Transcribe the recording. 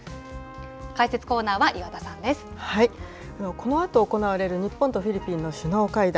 このあと行われる日本とフィリピンの首脳会談。